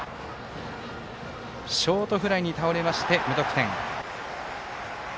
ショートフライに倒れまして無得点。